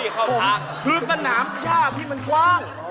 คือสนามหญ้าพี่มันกว้าง